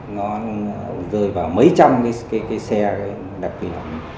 nó rơi vào mấy trăm cái xe đặc điểm